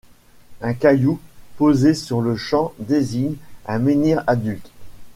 Un caillou posé sur le champ désigne un menhir adulte.